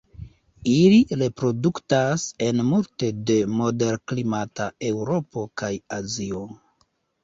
Ili reproduktas en multe de moderklimata Eŭropo kaj Azio.